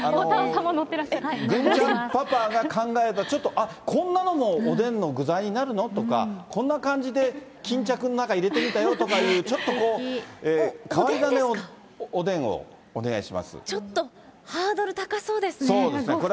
郡ちゃんパパが考えたちょっとあっ、こんなのもおでんの具材になるの？とか、こんな感じで巾着の中、入れてみたよというような、ちょっと変わり種のおでんをお願いしちょっと、そうですね。